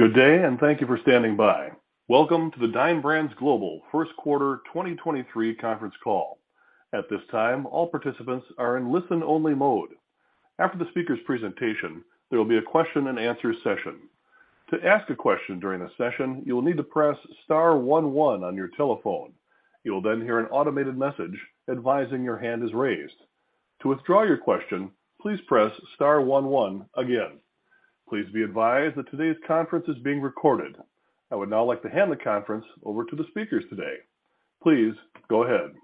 Good day, thank you for standing by. Welcome to the Dine Brands Global Q1 2023 Conference Call. At this time, all participants are in listen-only mode. After the speaker's presentation, there will be a question-and-answer session. To ask a question during the session, you will need to press star one, one on your telephone. You will hear an automated message advising your hand is raised. To withdraw your question, please press star 1one, one again. Please be advised that today's conference is being recorded. I would now like to hand the conference over to the speakers today. Please go ahead.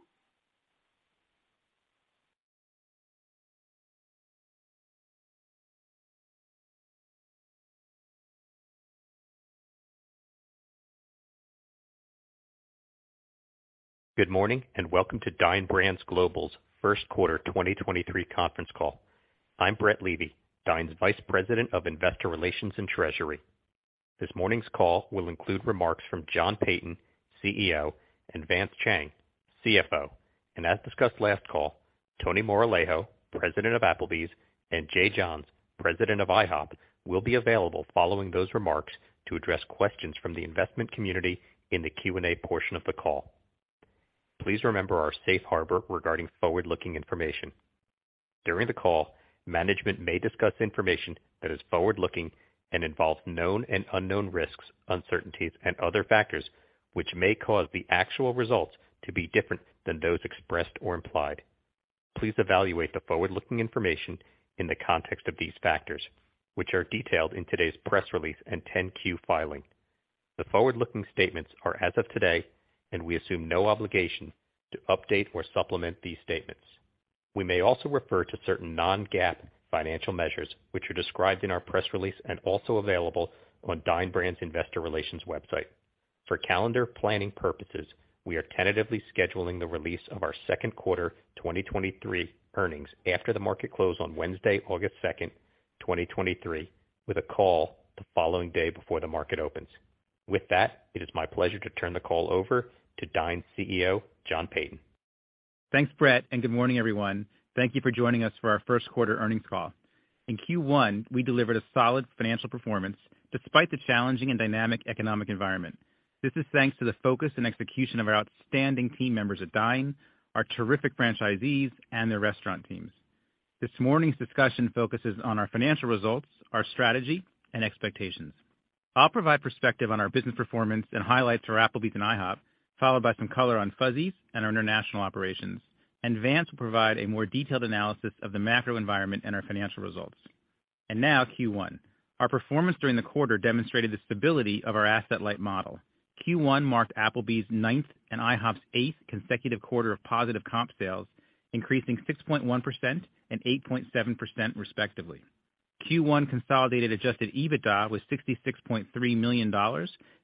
Good morning, welcome to Dine Brands Global's Q1 2023 Conference Call. I'm Brett Levy, Dine's Vice President of Investor Relations and Treasury. This morning's call will include remarks from John Peyton, CEO, and Vance Chang, CFO. As discussed last call, Tony Moralejo, President of Applebee's, and Jay Johns, President of IHOP, will be available following those remarks to address questions from the investment community in the Q&A portion of the call. Please remember our safe harbor regarding forward-looking information. During the call, management may discuss information that is forward-looking and involves known and unknown risks, uncertainties, and other factors which may cause the actual results to be different than those expressed or implied. Please evaluate the forward-looking information in the context of these factors, which are detailed in today's press release and 10-Q filing. The forward-looking statements are as of today, and we assume no obligation to update or supplement these statements. We may also refer to certain non-GAAP financial measures, which are described in our press release and also available on Dine Brands' investor relations website. For calendar planning purposes, we are tentatively scheduling the release of our Q2 2023 earnings after the market close on Wednesday, August 2, 2023, with a call the following day before the market opens. With that, it is my pleasure to turn the call over to Dine CEO, John Peyton. Thanks, Brett. Good morning, everyone. Thank you for joining us for our Q1 earnings call. In Q1, we delivered a solid financial performance despite the challenging and dynamic economic environment. This is thanks to the focus and execution of our outstanding team members at Dine, our terrific franchisees, and their restaurant teams. This morning's discussion focuses on our financial results, our strategy, and expectations. I'll provide perspective on our business performance and highlights for Applebee's and IHOP, followed by some color on Fuzzy's and our international operations. Vance will provide a more detailed analysis of the macro environment and our financial results. Now Q1. Our performance during the quarter demonstrated the stability of our asset-light model. Q1 marked Applebee's ninth and IHOP's eighth consecutive quarter of positive comp sales, increasing 6.1% and 8.7%, respectively. Q1 consolidated adjusted EBITDA was $66.3 million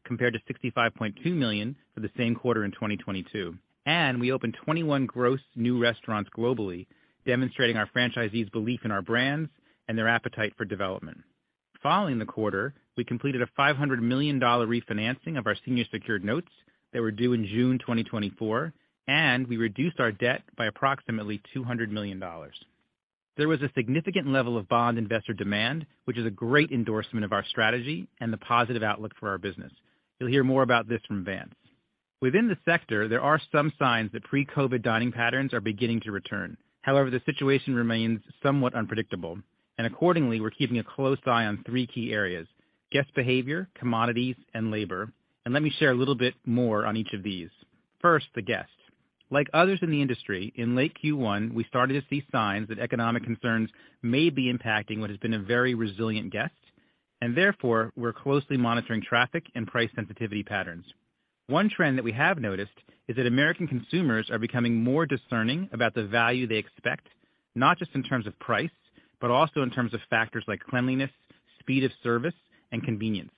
compared to $65.2 million for the same quarter in 2022. We opened 21 gross new restaurants globally, demonstrating our franchisees belief in our brands and their appetite for development. Following the quarter, we completed a $500 million refinancing of our senior secured notes that were due in June 2024, and we reduced our debt by approximately $200 million. There was a significant level of bond investor demand, which is a great endorsement of our strategy and the positive outlook for our business. You'll hear more about this from Vance. Within the sector, there are some signs that pre-COVID dining patterns are beginning to return. However, the situation remains somewhat unpredictable, and accordingly, we're keeping a close eye on three key areas: guest behavior, commodities, and labor. Let me share a little bit more on each of these. First, the guest. Like others in the industry, in late Q1, we started to see signs that economic concerns may be impacting what has been a very resilient guest, and therefore, we're closely monitoring traffic and price sensitivity patterns. One trend that we have noticed is that American consumers are becoming more discerning about the value they expect, not just in terms of price, but also in terms of factors like cleanliness, speed of service, and convenience.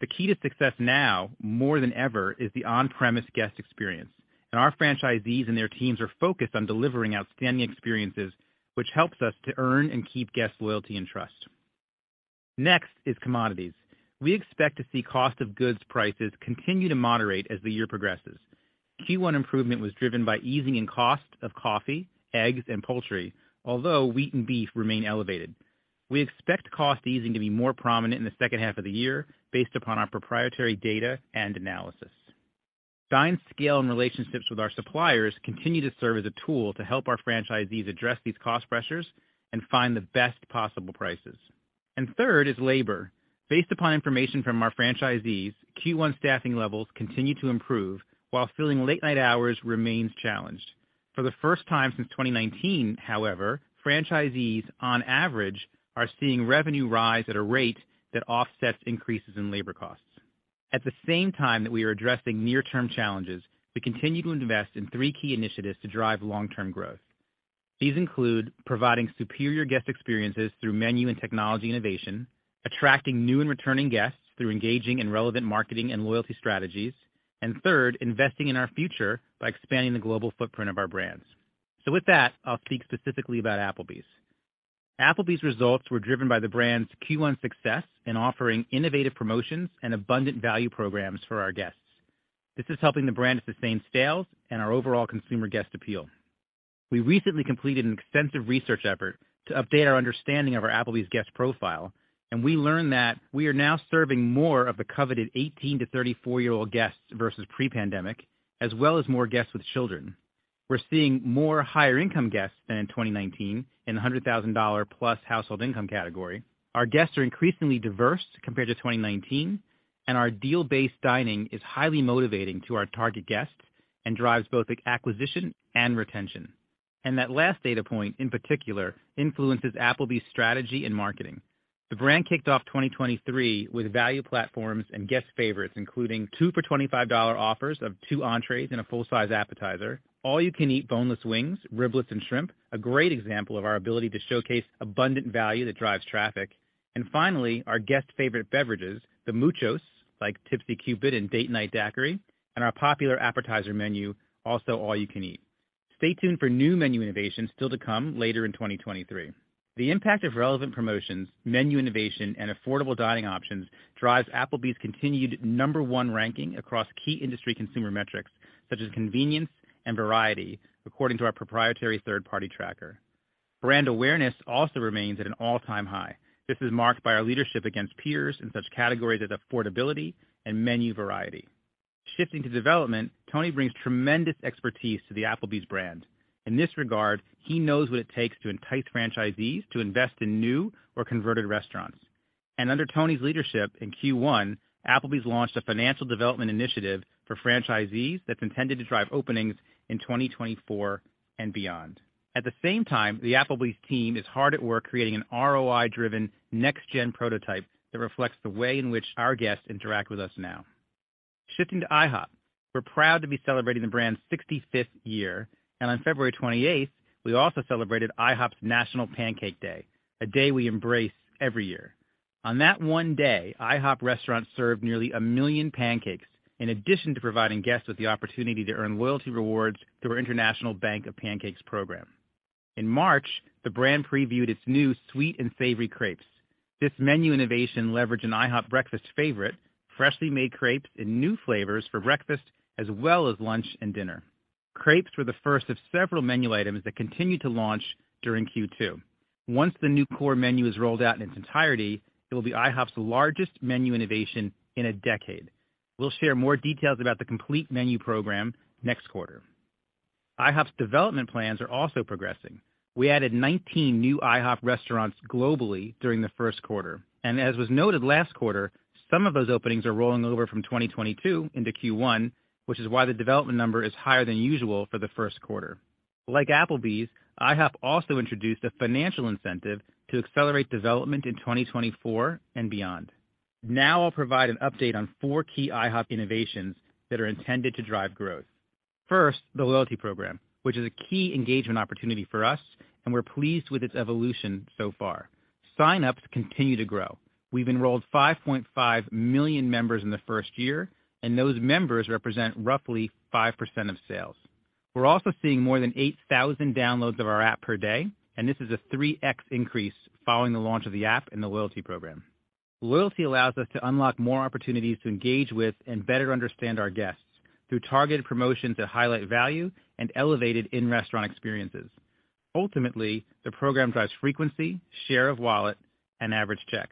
The key to success now, more than ever, is the on-premise guest experience, and our franchisees and their teams are focused on delivering outstanding experiences, which helps us to earn and keep guest loyalty and trust. Next is commodities. We expect to see cost of goods prices continue to moderate as the year progresses. Q1 improvement was driven by easing in cost of coffee, eggs, and poultry, although wheat and beef remain elevated. We expect cost easing to be more prominent in the second half of the year based upon our proprietary data and analysis. Dine's scale and relationships with our suppliers continue to serve as a tool to help our franchisees address these cost pressures and find the best possible prices. Third is labor. Based upon information from our franchisees, Q1 staffing levels continue to improve while filling late-night hours remains challenged. For the first time since 2019, however, franchisees on average, are seeing revenue rise at a rate that offsets increases in labor costs. At the same time that we are addressing near-term challenges, we continue to invest in three key initiatives to drive long-term growth. These include providing superior guest experiences through menu and technology innovation, attracting new and returning guests through engaging in relevant marketing and loyalty strategies, and third, investing in our future by expanding the global footprint of our brands. With that, I'll speak specifically about Applebee's. Applebee's results were driven by the brand's Q1 success in offering innovative promotions and abundant value programs for our guests. This is helping the brand sustain sales and our overall consumer guest appeal. We recently completed an extensive research effort to update our understanding of our Applebee's guest profile, we learned that we are now serving more of the coveted 18-34-year-old guests versus pre-pandemic, as well as more guests with children. We're seeing more higher income guests than in 2019 in the $100,000-plus household income category. Our guests are increasingly diverse compared to 2019, and our deal-based dining is highly motivating to our target guests and drives both acquisition and retention. That last data point, in particular, influences Applebee's strategy in marketing. The brand kicked off 2023 with value platforms and guest favorites, including two for $25 offers of two entrees and a full-size appetizer, All You Can Eat boneless wings, riblets, and shrimp, a great example of our ability to showcase abundant value that drives traffic. Finally, our guest favorite beverages, the Muchos, like Tipsy Cupid and Date Night Daiquiri, and our popular appetizer menu, also All You Can Eat. Stay tuned for new menu innovations still to come later in 2023. The impact of relevant promotions, menu innovation, and affordable dining options drives Applebee's continued number one ranking across key industry consumer metrics, such as convenience and variety, according to our proprietary third-party tracker. Brand awareness also remains at an all-time high. This is marked by our leadership against peers in such categories as affordability and menu variety. Shifting to development, Tony brings tremendous expertise to the Applebee's brand. In this regard, he knows what it takes to entice franchisees to invest in new or converted restaurants. Under Tony's leadership in Q1, Applebee's launched a financial development initiative for franchisees that's intended to drive openings in 2024 and beyond. At the same time, the Applebee's team is hard at work creating an ROI-driven next-gen prototype that reflects the way in which our guests interact with us now. Shifting to IHOP. We're proud to be celebrating the brand's 65th year. On February 28th, we also celebrated IHOP's National Pancake Day, a day we embrace every year. On that one day, IHOP restaurants served nearly 1 million pancakes in addition to providing guests with the opportunity to earn loyalty rewards through our International Bank of Pancakes program. In March, the brand previewed its new sweet and savory crepes. This menu innovation leveraged an IHOP breakfast favorite, freshly made crepes in new flavors for breakfast, as well as lunch and dinner. Crepes were the first of several menu items that continued to launch during Q2. Once the new core menu is rolled out in its entirety, it will be IHOP's largest menu innovation in a decade. We'll share more details about the complete menu program next quarter. IHOP's development plans are also progressing. We added 19 new IHOP restaurants globally during the Q1. As was noted last quarter, some of those openings are rolling over from 2022 into Q1, which is why the development number is higher than usual for the Q1. Like Applebee's, IHOP also introduced a financial incentive to accelerate development in 2024 and beyond. I'll provide an update on four key IHOP innovations that are intended to drive growth. First, the loyalty program, which is a key engagement opportunity for us, and we're pleased with its evolution so far. Sign-ups continue to grow. We've enrolled 5.5 million members in the first year. Those members represent roughly 5% of sales. We're also seeing more than 8,000 downloads of our app per day. This is a 3x increase following the launch of the app and the loyalty program. Loyalty allows us to unlock more opportunities to engage with and better understand our guests through targeted promotions that highlight value and elevated in-restaurant experiences. Ultimately, the program drives frequency, share of wallet, and average check.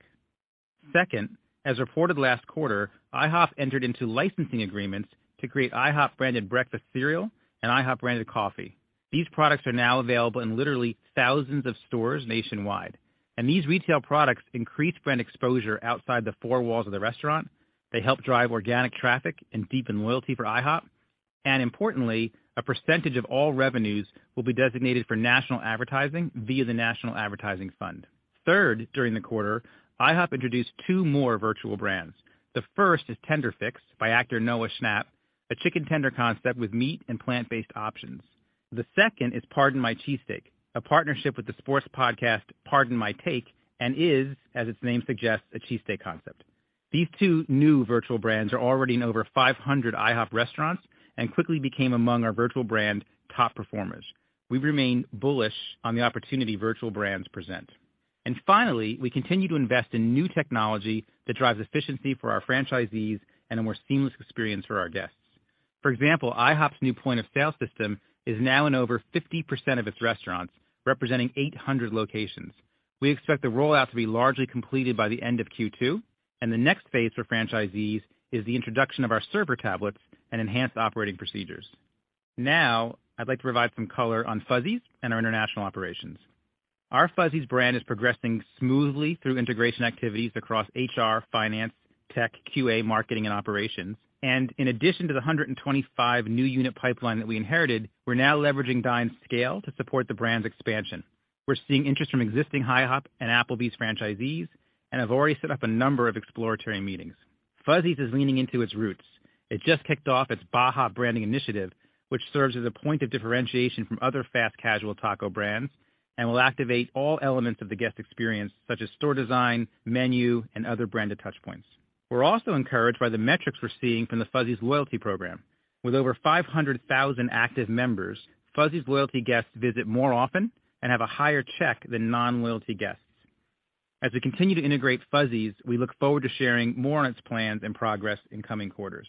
Second, as reported last quarter, IHOP entered into licensing agreements to create IHOP-branded breakfast cereal and IHOP-branded coffee. These products are now available in literally thousands of stores nationwide. These retail products increase brand exposure outside the four walls of the restaurant. They help drive organic traffic and deepen loyalty for IHOP. Importantly, a percentage of all revenues will be designated for national advertising via the National Advertising Fund. Third, during the quarter, IHOP introduced two more virtual brands. The first is TenderFix by actor Noah Schnapp, a chicken tender concept with meat and plant-based options. The second is Pardon My Cheesesteak, a partnership with the sports podcast Pardon My Take, and is, as its name suggests, a cheesesteak concept. These two new virtual brands are already in over 500 IHOP restaurants and quickly became among our virtual brand top performers. Finally, we continue to invest in new technology that drives efficiency for our franchisees and a more seamless experience for our guests. For example, IHOP's new point-of-sale system is now in over 50% of its restaurants, representing 800 locations. We expect the rollout to be largely completed by the end of Q2, and the next phase for franchisees is the introduction of our server tablets and enhanced operating procedures. I'd like to provide some color on Fuzzy's and our international operations. Our Fuzzy's brand is progressing smoothly through integration activities across HR, finance, tech, QA, marketing, and operations. In addition to the 125 new unit pipeline that we inherited, we're now leveraging Dine's scale to support the brand's expansion. We're seeing interest from existing IHOP and Applebee's franchisees and have already set up a number of exploratory meetings. Fuzzy's is leaning into its roots. It just kicked off its Baja branding initiative, which serves as a point of differentiation from other fast casual taco brands and will activate all elements of the guest experience, such as store design, menu, and other branded touch points. We're also encouraged by the metrics we're seeing from the Fuzzy's loyalty program. With over 500,000 active members, Fuzzy's loyalty guests visit more often and have a higher check than non-loyalty guests. As we continue to integrate Fuzzy's, we look forward to sharing more on its plans and progress in coming quarters.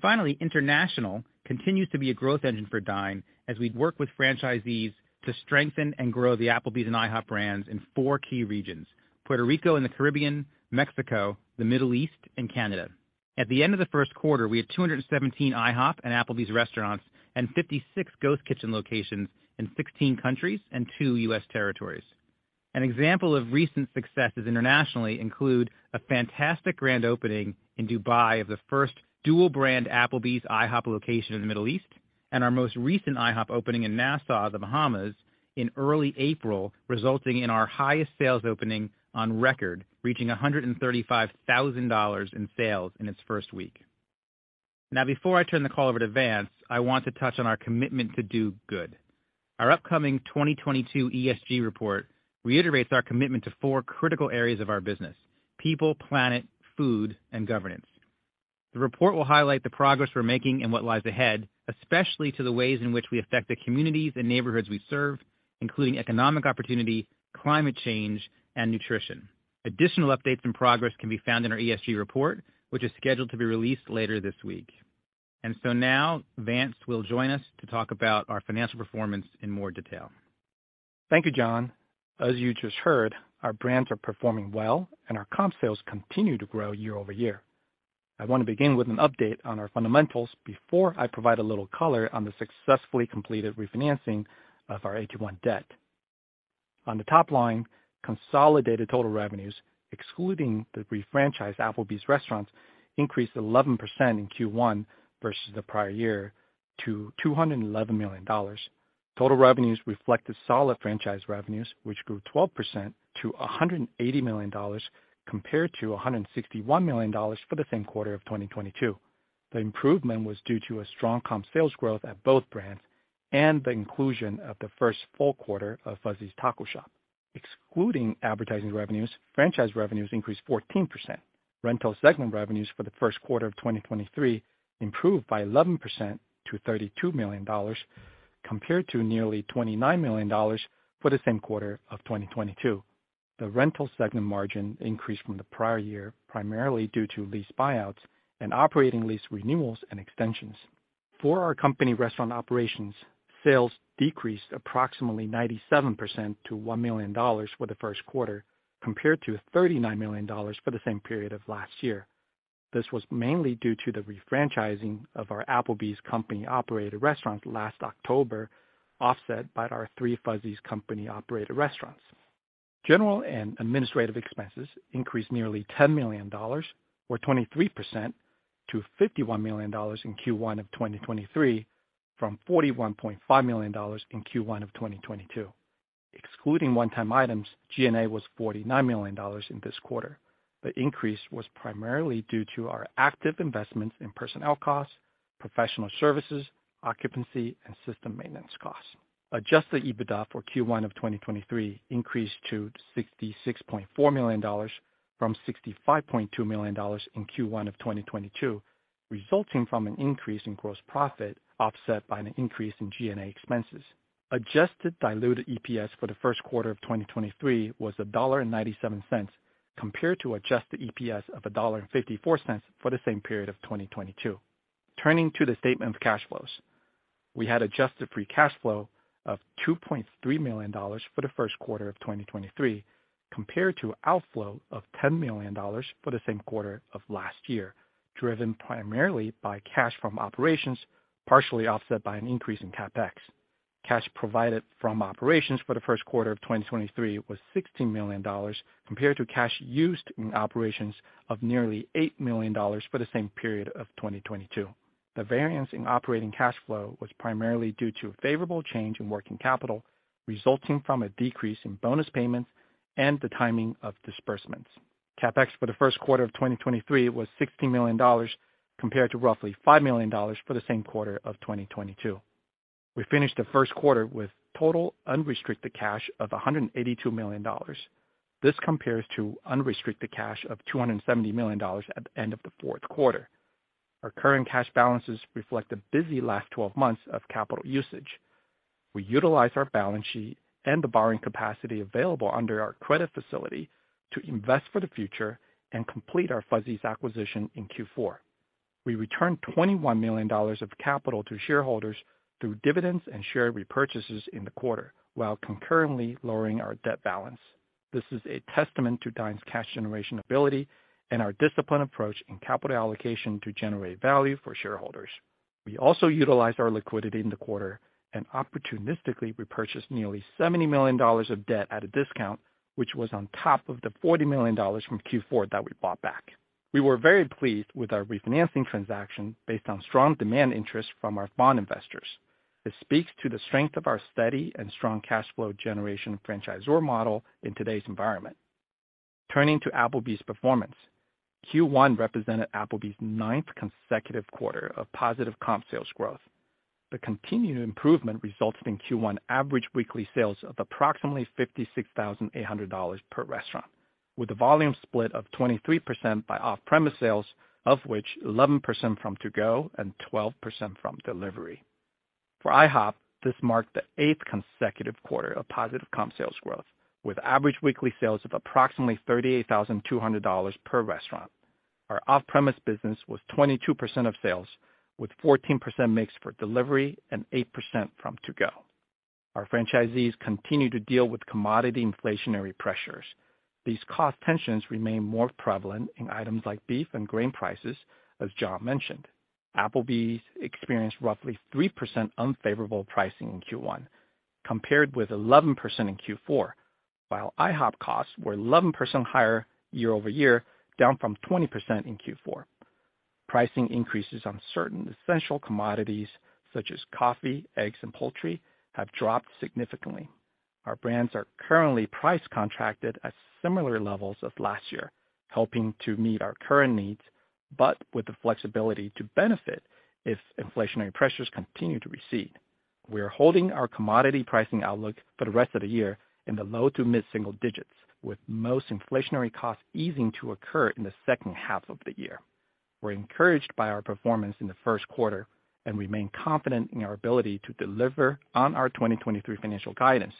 Finally, international continues to be a growth engine for Dine as we work with franchisees to strengthen and grow the Applebee's and IHOP brands in four key regions: Puerto Rico and the Caribbean, Mexico, the Middle East, and Canada. At the end of the Q1, we had 217 IHOP and Applebee's restaurants and 56 Ghost Kitchen locations in 16 countries and two U.S. territories. An example of recent successes internationally include a fantastic grand opening in Dubai of the first dual brand Applebee's IHOP location in the Middle East. Our most recent IHOP opening in Nassau, The Bahamas, in early April, resulting in our highest sales opening on record, reaching $135,000 in sales in its first week. Before I turn the call over to Vance, I want to touch on our commitment to Do Good. Our upcoming 2022 ESG report reiterates our commitment to four critical areas of our business: people, planet, food, and governance. The report will highlight the progress we're making and what lies ahead, especially to the ways in which we affect the communities and neighborhoods we serve, including economic opportunity, climate change, and nutrition. Additional updates and progress can be found in our ESG report, which is scheduled to be released later this week. Now Vance will join us to talk about our financial performance in more detail. Thank you, John. As you just heard, our brands are performing well and our comp sales continue to grow year-over-year. I want to begin with an update on our fundamentals before I provide a little color on the successfully completed refinancing of our A-1 debt. On the top line, consolidated total revenues, excluding the refranchised Applebee's restaurants, increased 11% in Q1 versus the prior year to $211 million. Total revenues reflected solid franchise revenues, which grew 12% to $180 million compared to $161 million for the same quarter of 2022. The improvement was due to a strong comp sales growth at both brands and the inclusion of the first full quarter of Fuzzy's Taco Shop. Excluding advertising revenues, franchise revenues increased 14%. Rental segment revenues for the Q1 of 2023 improved by 11% to $32 million compared to nearly $29 million for the same quarter of 2022. The rental segment margin increased from the prior year, primarily due to lease buyouts and operating lease renewals and extensions. For our company restaurant operations, sales decreased approximately 97% to $1 million for the Q1, compared to $39 million for the same period of last year. This was mainly due to the refranchising of our Applebee's company-operated restaurant last October, offset by our three Fuzzy's company-operated restaurants. General and administrative expenses increased nearly $10 million or 23% to $51 million in Q1 of 2023 from $41.5 million in Q1 of 2022. Excluding one-time items, G&A was $49 million in this quarter. The increase was primarily due to our active investments in personnel costs, professional services, occupancy, and system maintenance costs. Adjusted EBITDA for Q1 of 2023 increased to $66.4 million from $65.2 million in Q1 of 2022, resulting from an increase in gross profit, offset by an increase in G&A expenses. Adjusted diluted EPS for the Q1 of 2023 was $1.97 compared to adjusted EPS of $1.54 for the same period of 2022. Turning to the statement of cash flows. We had adjusted free cash flow of $2.3 million for the Q1 of 2023 compared to outflow of $10 million for the same quarter of last year, driven primarily by cash from operations, partially offset by an increase in CapEx. Cash provided from operations for the Q1 of 2023 was $16 million compared to cash used in operations of nearly $8 million for the same period of 2022. The variance in operating cash flow was primarily due to a favorable change in working capital, resulting from a decrease in bonus payments and the timing of disbursements. CapEx for the Q1 of 2023 was $16 million compared to roughly $5 million for the same quarter of 2022. We finished the Q1 with total unrestricted cash of $182 million. This compares to unrestricted cash of $270 million at the end of the Q4. Our current cash balances reflect a busy last 12 months of capital usage. We utilize our balance sheet and the borrowing capacity available under our credit facility to invest for the future and complete our Fuzzy's acquisition in Q4. We returned $21 million of capital to shareholders through dividends and share repurchases in the quarter while concurrently lowering our debt balance. This is a testament to Dine's cash generation ability and our disciplined approach in capital allocation to generate value for shareholders. We also utilized our liquidity in the quarter and opportunistically repurchased nearly $70 million of debt at a discount, which was on top of the $40 million from Q4 that we bought back. We were very pleased with our refinancing transaction based on strong demand interest from our bond investors. This speaks to the strength of our steady and strong cash flow generation franchisor model in today's environment. Turning to Applebee's performance. Q1 represented Applebee's ninth consecutive quarter of positive comp sales growth. The continued improvement resulted in Q1 average weekly sales of approximately $56,800 per restaurant, with a volume split of 23% by off-premise sales, of which 11% from to-go and 12% from delivery. For IHOP, this marked the eighth consecutive quarter of positive comp sales growth, with average weekly sales of approximately $38,200 per restaurant. Our off-premise business was 22% of sales, with 14% mixed for delivery and 8% from to-go. Our franchisees continue to deal with commodity inflationary pressures. These cost tensions remain more prevalent in items like beef and grain prices, as John mentioned. Applebee's experienced roughly 3% unfavorable pricing in Q1, compared with 11% in Q4, while IHOP costs were 11% higher year-over-year, down from 20% in Q4. Pricing increases on certain essential commodities such as coffee, eggs, and poultry have dropped significantly. Our brands are currently price contracted at similar levels of last year, helping to meet our current needs, but with the flexibility to benefit if inflationary pressures continue to recede. We are holding our commodity pricing outlook for the rest of the year in the low to mid-single digits, with most inflationary costs easing to occur in the second half of the year. We're encouraged by our performance in the Q1 and remain confident in our ability to deliver on our 2023 financial guidance.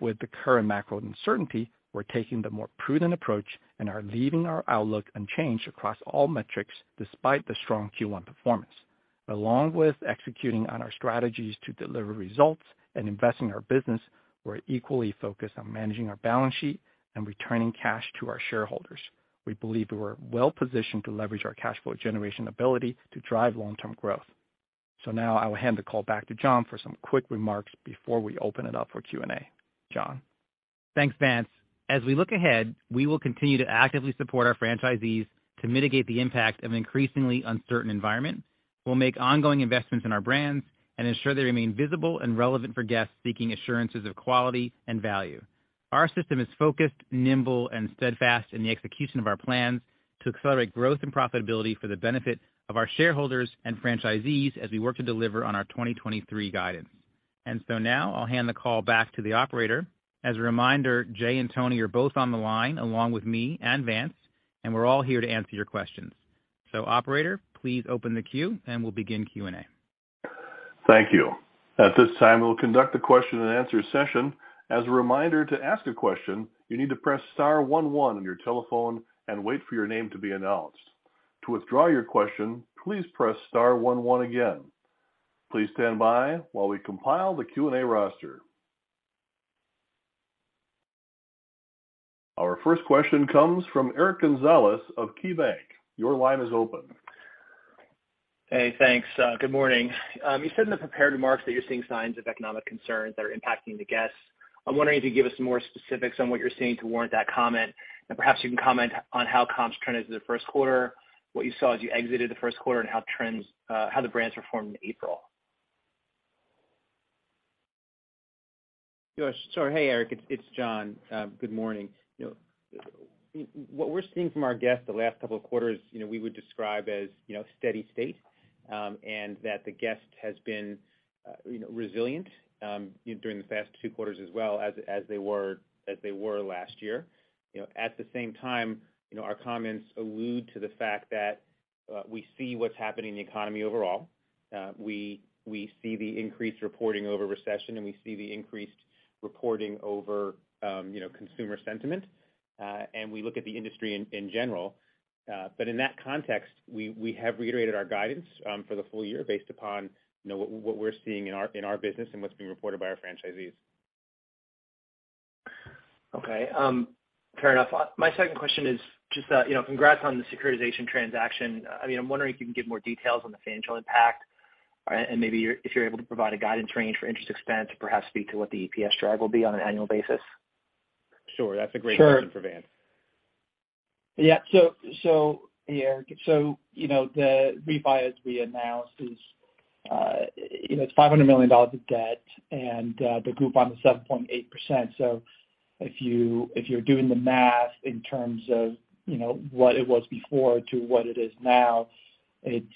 With the current macro uncertainty, we're taking the more prudent approach and are leaving our outlook unchanged across all metrics despite the strong Q1 performance. Along with executing on our strategies to deliver results and investing in our business, we're equally focused on managing our balance sheet and returning cash to our shareholders. We believe we are well positioned to leverage our cash flow generation ability to drive long-term growth. Now I will hand the call back to John for some quick remarks before we open it up for Q&A. John? Thanks, Vance. As we look ahead, we will continue to actively support our franchisees to mitigate the impact of an increasingly uncertain environment. We'll make ongoing investments in our brands and ensure they remain visible and relevant for guests seeking assurances of quality and value. Our system is focused, nimble, and steadfast in the execution of our plans to accelerate growth and profitability for the benefit of our shareholders and franchisees as we work to deliver on our 2023 guidance. Now I'll hand the call back to the operator. As a reminder, Jay and Tony are both on the line along with me and Vance, and we're all here to answer your questions. Operator, please open the queue and we'll begin Q&A. Thank you. At this time, we'll conduct a question and answer session. As a reminder, to ask a question, you need to press star one one on your telephone and wait for your name to be announced. To withdraw your question, please press star one one again. Please stand by while we compile the Q&A roster. Our first question comes from Eric Gonzalez of Key Bank. Your line is open. Hey, thanks. Good morning. You said in the prepared remarks that you're seeing signs of economic concerns that are impacting the guests. I'm wondering if you could give us some more specifics on what you're seeing to warrant that comment. Perhaps you can comment on how comps trended in the Q1, what you saw as you exited the Q1, and how trends, how the brands performed in April. Sure. Hey, Eric, it's John. Good morning. You know, what we're seeing from our guests the last couple of quarters, you know, we would describe as, you know, steady-state, and that the guest has been, you know, resilient during the past two quarters as well as they were last year. You know, at the same time, you know, our comments allude to the fact that we see what's happening in the economy overall. We see the increased reporting over recession, and we see the increased reporting over, you know, consumer sentiment, and we look at the industry in general. In that context, we have reiterated our guidance for the full year based upon, you know, what we're seeing in our business and what's being reported by our franchisees. Fair enough. My second question is just, you know, congrats on the securitization transaction. I mean, I'm wondering if you can give more details on the financial impact and maybe if you're able to provide a guidance range for interest expense, perhaps speak to what the EPS drive will be on an annual basis. Sure. That's a great question for Vance. Yeah. So yeah. You know, the refi, as we announced, is, you know, it's $500 million of debt and, the coupon is 7.8%. If you, if you're doing the math in terms of, you know, what it was before to what it is now, it's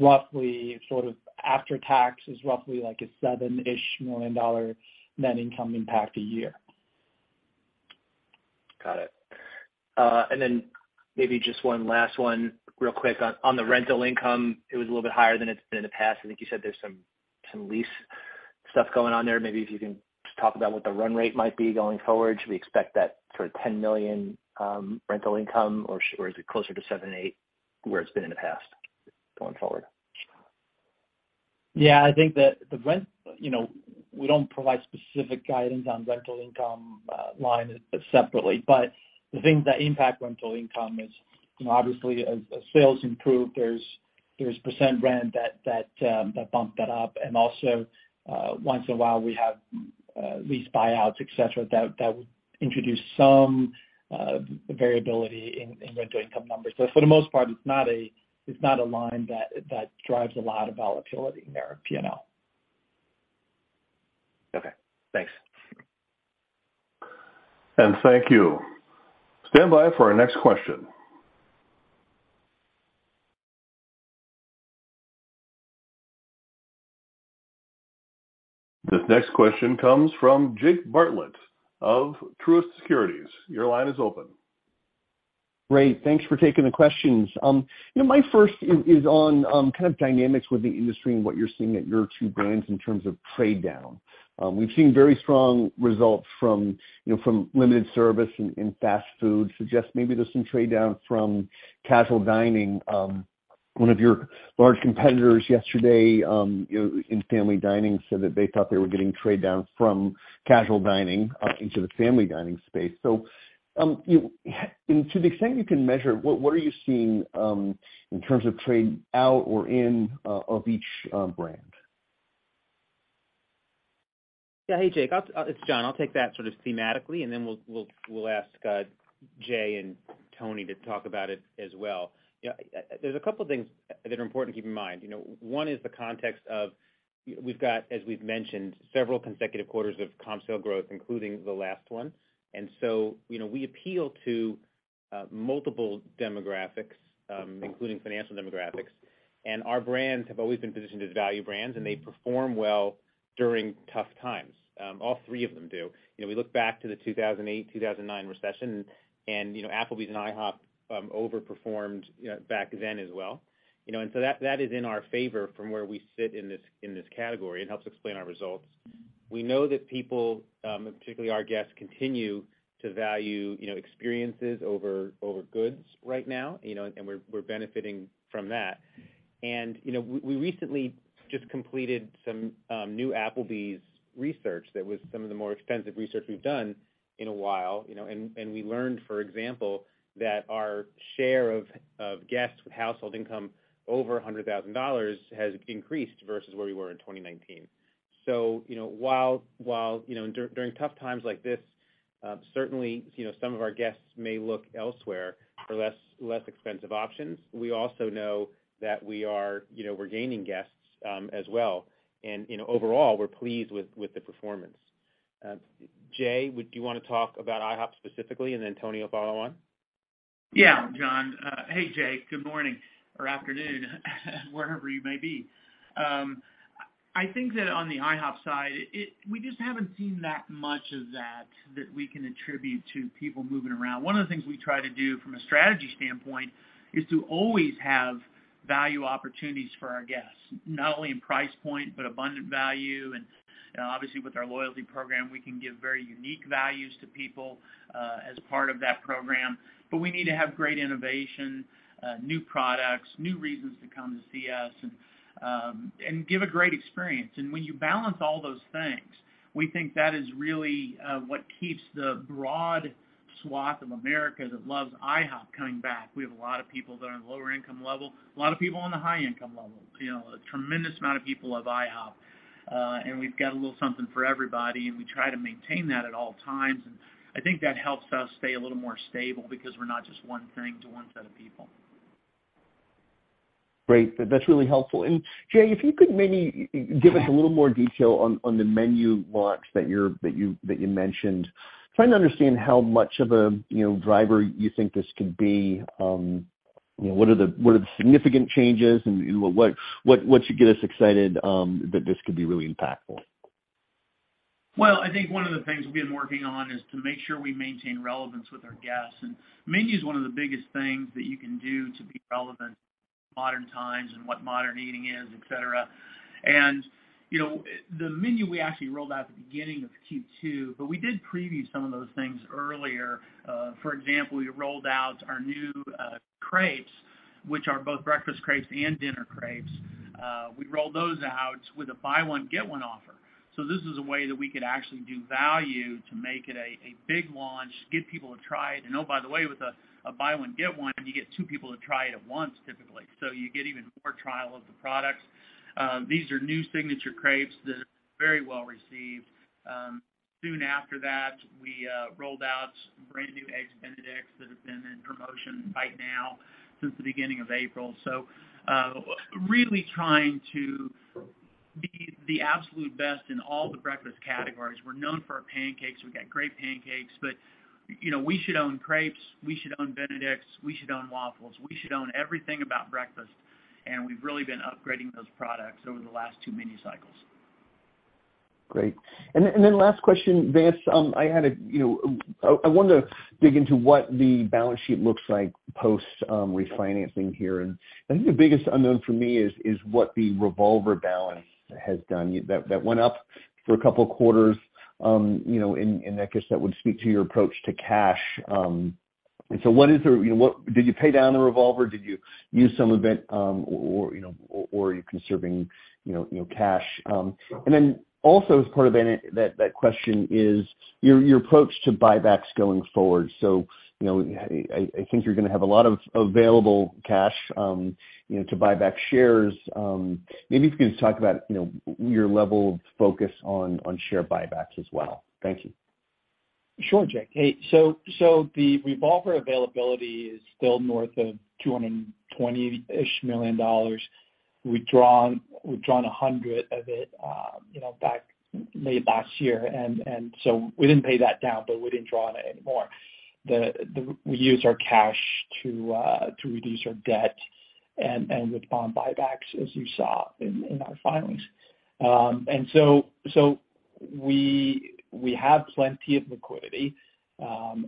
roughly sort of after tax is roughly like a $7-ish million net income impact a year. Got it. Maybe just one last one real quick. On the rental income, it was a little bit higher than it's been in the past. I think you said there's some lease stuff going on there. Maybe if you can talk about what the run rate might be going forward. Should we expect that sort of $10 million rental income, or is it closer to $7 million, $8 million where it's been in the past going forward? Yeah, I think that. You know, we don't provide specific guidance on rental income line separately. The things that impact rental income is, you know, obviously, as sales improve, there's % rent that bump that up. Once in a while, we have lease buyouts, et cetera, that would introduce some variability in rental income numbers. For the most part, it's not a line that drives a lot of volatility in our P&L. Okay, thanks. Thank you. Stand by for our next question. This next question comes from Jake Bartlett of Truist Securities. Your line is open. Great. Thanks for taking the questions. You know, my first is on kind of dynamics with the industry and what you're seeing at your two brands in terms of trade down. We've seen very strong results from, you know, from limited service and fast food, suggest maybe there's some trade down from casual dining. One of your large competitors yesterday, you know, in family dining said that they thought they were getting trade down from casual dining into the family dining space. You know, and to the extent you can measure, what are you seeing in terms of trade out or in of each brand? Yeah. Hey, Jake, it's John. I'll take that sort of thematically, then we'll ask Jay and Tony to talk about it as well. You know, there's a couple things that are important to keep in mind. You know, one is the context of we've got, as we've mentioned, several consecutive quarters of comp sales growth, including the last one. You know, we appeal to multiple demographics, including financial demographics. Our brands have always been positioned as value brands, and they perform well during tough times. All three of them do. You know, we look back to the 2008, 2009 recession, you know, Applebee's and IHOP overperformed, you know, back then as well. You know, that is in our favor from where we sit in this category. It helps explain our results. We know that people, particularly our guests, continue to value, you know, experiences over goods right now, you know, and we're benefiting from that. You know, we recently just completed some new Applebee's research that was some of the more extensive research we've done in a while, you know. We learned, for example, that our share of guests with household income over $100,000 has increased versus where we were in 2019. You know, while, you know, during tough times like this, certainly, you know, some of our guests may look elsewhere for less expensive options. We also know that we are, you know, we're gaining guests as well. You know, overall, we're pleased with the performance. Jay, would you wanna talk about IHOP specifically, and then Tony will follow on? Yeah, John. Hey, Jay. Good morning or afternoon, wherever you may be. I think that on the IHOP side, we just haven't seen that much of that we can attribute to people moving around. One of the things we try to do from a strategy standpoint is to always have value opportunities for our guests, not only in price point, but abundant value. You know, obviously, with our loyalty program, we can give very unique values to people as part of that program. We need to have great innovation, new products, new reasons to come to see us, and give a great experience. When you balance all those things, we think that is really what keeps the broad swath of America that loves IHOP coming back. We have a lot of people that are in lower income level, a lot of people on the high income level. You know, a tremendous amount of people love IHOP. We've got a little something for everybody, and we try to maintain that at all times. I think that helps us stay a little more stable because we're not just one thing to one set of people. Great. That's really helpful. Jay, if you could maybe give us a little more detail on the menu launch that you mentioned. Trying to understand how much of a, you know, driver you think this could be. You know, what are the significant changes and what should get us excited that this could be really impactful? Well, I think one of the things we've been working on is to make sure we maintain relevance with our guests. Menu is one of the biggest things that you can do to be relevant in modern times and what modern eating is, et cetera. You know, the menu we actually rolled out at the beginning of Q2, but we did preview some of those things earlier. For example, we rolled out our new crepes, which are both breakfast crepes and dinner crepes. We rolled those out with a buy one get one offer. This is a way that we could actually do value to make it a big launch, get people to try it. Oh, by the way, with a buy one get one, you get two people to try it at once, typically. You get even more trial of the products. These are new signature crepes that are very well received. Soon after that, we rolled out brand new Eggs Benedict that have been in promotion right now since the beginning of April. Really trying to be the absolute best in all the breakfast categories. We're known for our pancakes. We've got great pancakes, but, you know, we should own crepes, we should own Benedict, we should own waffles, we should own everything about breakfast, and we've really been upgrading those products over the last two menu cycles. Great. Then last question, Vance. I wanted to dig into what the balance sheet looks like post refinancing here. I think the biggest unknown for me is what the revolver balance has done. That went up for a couple of quarters, you know. I guess that would speak to your approach to cash. What is the, you know, Did you pay down the revolver? Did you use some of it? Or, you know, are you conserving, you know, cash? Also as part of that question is your approach to buybacks going forward. You know, I think you're gonna have a lot of available cash, you know, to buy back shares. Maybe if you could just talk about, you know, your level of focus on share buybacks as well. Thank you. Sure, Jake. Hey, the revolver availability is still north of $220-ish million. Withdrawn $100 of it, you know, back late last year. We didn't pay that down, but we didn't draw on it anymore. We used our cash to reduce our debt and with bond buybacks, as you saw in our filings. We have plenty of liquidity, and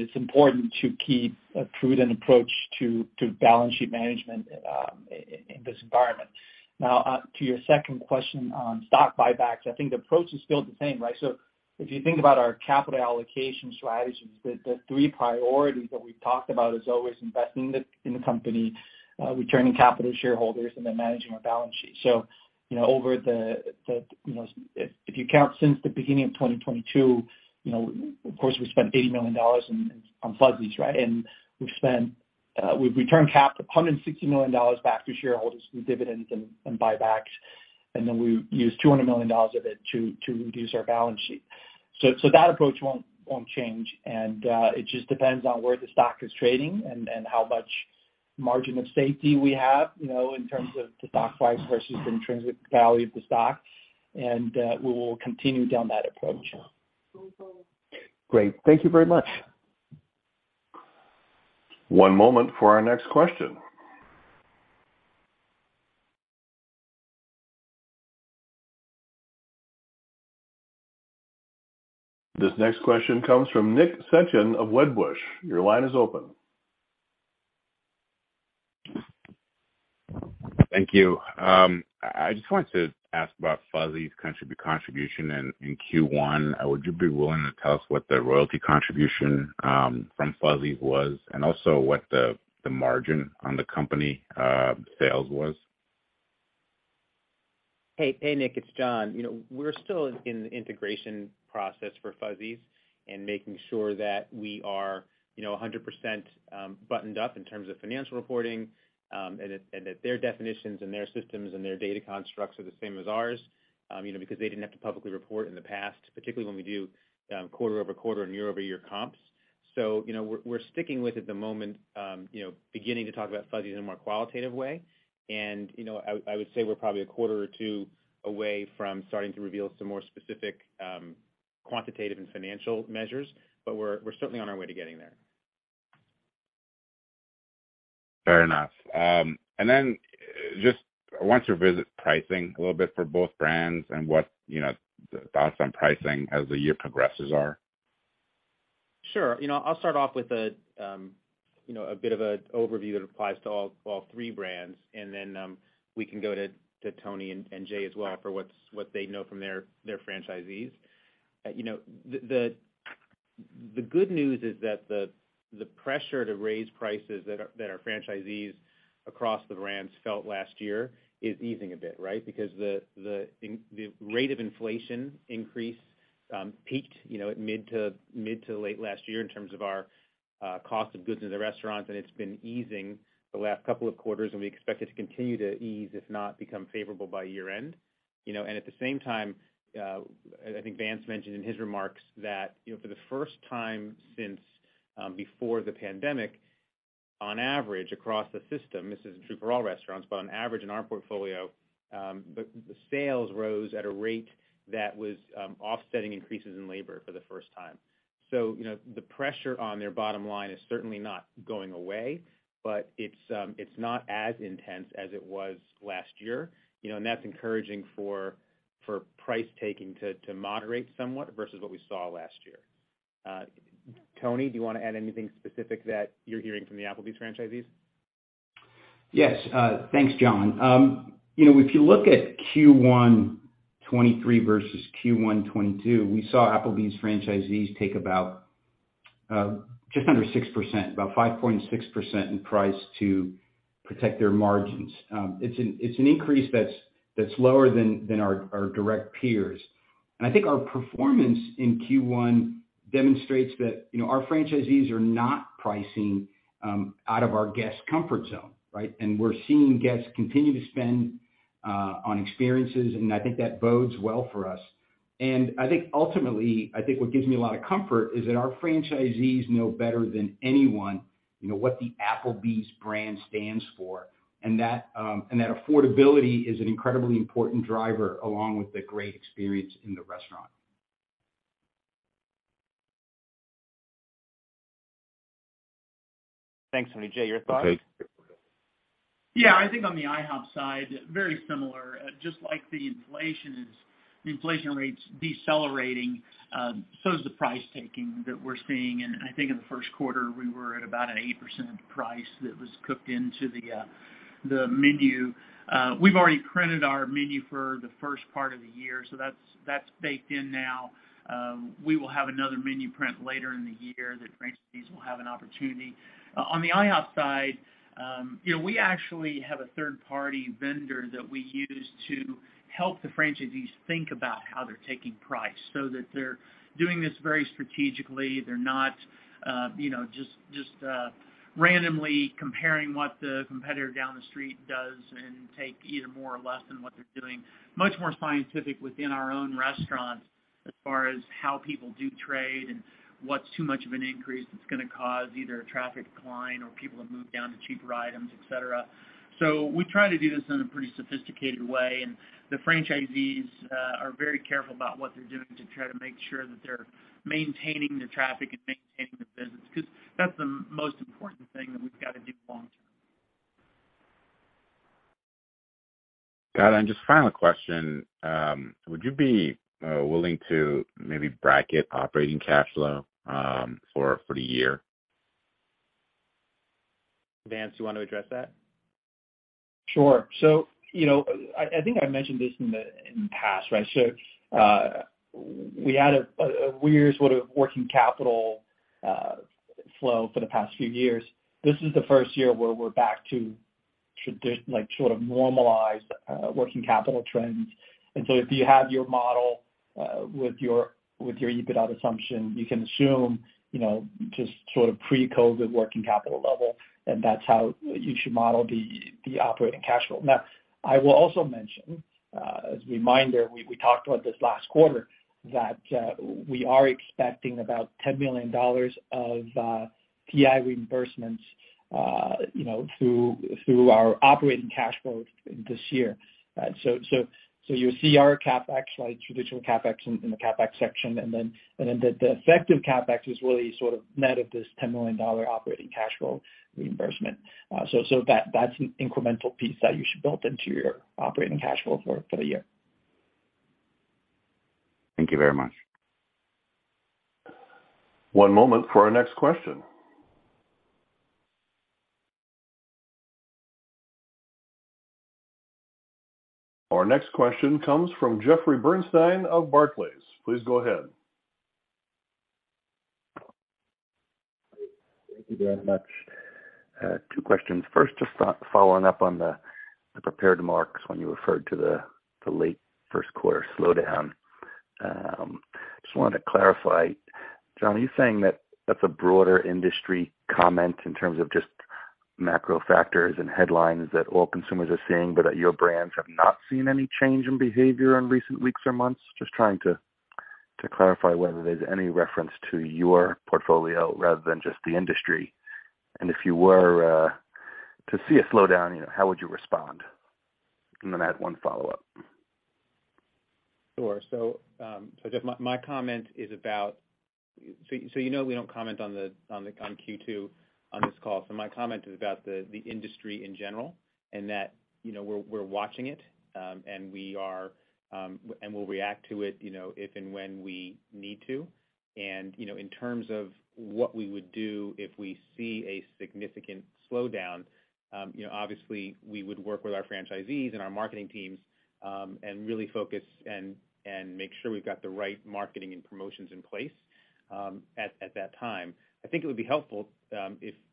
it's important to keep a prudent approach to balance sheet management in this environment. To your second question on stock buybacks, I think the approach is still the same, right? If you think about our capital allocation strategies, the three priorities that we've talked about is always investing in the company, returning capital to shareholders, then managing our balance sheet. You know, over the, you know, if you count since the beginning of 2022, you know, of course we spent $80 million on Fuzzy's, right? We've spent, we've returned $160 million back to shareholders through dividends and buybacks, then we used $200 million of it to reduce our balance sheet. That approach won't change. It just depends on where the stock is trading and how much margin of safety we have, you know, in terms of the stock price versus the intrinsic value of the stock. We will continue down that approach. Great. Thank you very much. One moment for our next question. This next question comes from Nick Setyan of Wedbush. Your line is open. Thank you. I just wanted to ask about Fuzzy's contribution in Q1. Would you be willing to tell us what the royalty contribution from Fuzzy's was, and also what the margin on the company sales was? Hey, hey Nick, it's John. You know, we're still in the integration process for Fuzzy's and making sure that we are, you know, 100% buttoned up in terms of financial reporting, and that, and that their definitions and their systems and their data constructs are the same as ours. You know, because they didn't have to publicly report in the past, particularly when we do, quarter-over-quarter and year-over-year comps. You know, we're sticking with at the moment, you know, beginning to talk about Fuzzy's in a more qualitative way. You know, I would say we're probably a quarter or two away from starting to reveal some more specific, quantitative and financial measures, but we're certainly on our way to getting there. Fair enough. Then just I want to revisit pricing a little bit for both brands and what, you know, the thoughts on pricing as the year progresses are. Sure. You know, I'll start off with a, you know, a bit of an overview that applies to all three brands, and then, we can go to Tony and Jay as well for what they know from their franchisees. You know, the good news is that the pressure to raise prices that our franchisees across the brands felt last year is easing a bit, right? Because the rate of inflation increase peaked, you know, at mid to late last year in terms of our cost of goods in the restaurants, and it's been easing the last couple of quarters, and we expect it to continue to ease, if not become favorable by year-end. You know, at the same time, I think Vance mentioned in his remarks that, you know, for the first time since before the pandemic, on average across the system, this isn't true for all restaurants, but on average in our portfolio, the sales rose at a rate that was offsetting increases in labor for the first time. You know, the pressure on their bottom line is certainly not going away, but it's not as intense as it was last year, you know, and that's encouraging for price taking to moderate somewhat versus what we saw last year. Tony, do you want to add anything specific that you're hearing from the Applebee's franchisees? Yes. Thanks, John. You know, if you look at Q1 '23 versus Q1 '22, we saw Applebee's franchisees take about just under 6%, about 5.6% in price to protect their margins. It's an increase that's lower than our direct peers. I think our performance in Q1 demonstrates that, you know, our franchisees are not pricing out of our guest comfort zone, right? We're seeing guests continue to spend on experiences, and I think that bodes well for us. I think ultimately, I think what gives me a lot of comfort is that our franchisees know better than anyone, you know, what the Applebee's brand stands for. That affordability is an incredibly important driver along with the great experience in the restaurant. Thanks, Tony. Jay, your thoughts? Okay. Yeah. I think on the IHOP side, very similar. Just like the inflation is, the inflation rate's decelerating, so is the price taking that we're seeing. I think in the Q1 we were at about an 8% price that was cooked into the menu. We've already printed our menu for the first part of the year, so that's baked in now. We will have another menu print later in the year that franchisees will have an opportunity. On the IHOP side, you know, we actually have a third-party vendor that we use to help the franchisees think about how they're taking price so that they're doing this very strategically. They're not, you know, just randomly comparing what the competitor down the street does and take either more or less than what they're doing. Much more scientific within our own restaurants as far as how people do trade and what's too much of an increase that's gonna cause either a traffic decline or people to move down to cheaper items, et cetera. We try to do this in a pretty sophisticated way, the franchisees are very careful about what they're doing to try to make sure that they're maintaining the traffic and maintaining the business. 'Cause that's the most important thing that we've gotta do long term. Got it. Just final question, would you be willing to maybe bracket operating cash flow for the year? Vance, you want to address that? Sure. You know, I think I mentioned this in the, in the past, right? We had a weird sort of working capital flow for the past few years. This is the first year where we're back to like sort of normalized working capital trends. If you have your model, with your, with your EBITDA assumption, you can assume, you know, just sort of pre-COVID working capital level, and that's how you should model the operating cash flow. I will also mention, as a reminder, we talked about this last quarter, that we are expecting about $10 million of IP reimbursements, you know, through our operating cash flow this year. You'll see our CapEx, like traditional CapEx in the CapEx section. The effective CapEx is really sort of net of this $10 million operating cash flow reimbursement. That's an incremental piece that you should build into your operating cash flow for the year. Thank you very much. One moment for our next question. Our next question comes from Jeffrey Bernstein of Barclays. Please go ahead. Thank you very much. Two questions. First, just following up on the prepared remarks when you referred to the late Q1 slowdown. Just wanted to clarify, John, are you saying that that's a broader industry comment in terms of just macro factors and headlines that all consumers are seeing, but your brands have not seen any change in behavior in recent weeks or months? Just trying to clarify whether there's any reference to your portfolio rather than just the industry. If you were to see a slowdown, you know, how would you respond? Then I have one follow-up. Sure. Jeff, my comment is about... You know we don't comment on Q2 on this call. My comment is about the industry in general and that, you know, we're watching it, and we are... We'll react to it, you know, if and when we need to. You know, in terms of what we would do if we see a significant slowdown, you know, obviously we would work with our franchisees and our marketing teams, and really focus and make sure we've got the right marketing and promotions in place, at that time. I think it would be helpful,